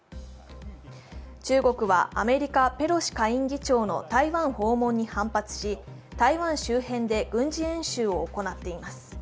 中国はアメリカ・ペロシ下院議長の台湾訪問に反発し台湾周辺で軍事演習を行っています。